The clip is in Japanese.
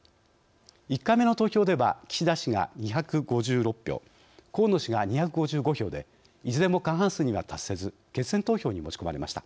１回目の投票では岸田氏が２５６票河野氏が２５５票でいずれも過半数には達せず決選投票に持ち込まれました。